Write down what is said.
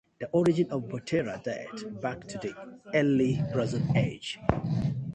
The origins of Butera date back to the Early Bronze Age.